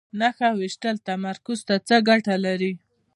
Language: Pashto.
نښه ویشتل تمرکز ته څه ګټه لري؟